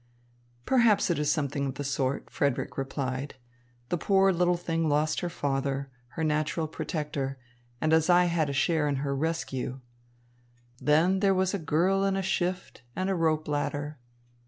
"Perhaps it is something of the sort," Frederick replied. "The poor little thing lost her father, her natural protector, and as I had a share in her rescue " "Then there was a girl in a shift, and a rope ladder!"